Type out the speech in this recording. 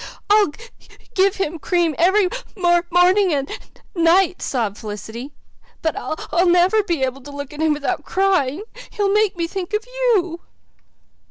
"I'll g give him cream every m morning and n night," sobbed Felicity, "but I'll never be able to look at him without crying. He'll make me think of you."